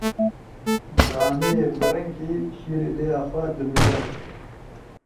Caniyê viringî şîrê dêya xwe dimije.